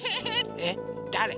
えっだれ？